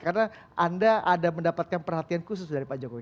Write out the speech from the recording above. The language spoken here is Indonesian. karena anda ada mendapatkan perhatian khusus dari pak jokowi